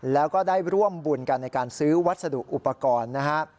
แล้วก็ได้ร่วมบุญกันในการซื้อวัสดุอุปกรณ์นะฮะ